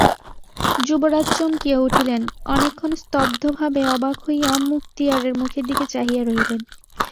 যুবরাজ চমকিয়া উঠিলেন, অনেকক্ষণ স্তব্ধভাবে অবাক হইয়া মুক্তিয়ারের মুখের দিকে চাহিয়া রহিলেন।